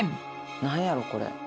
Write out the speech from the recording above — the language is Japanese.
何やろこれ。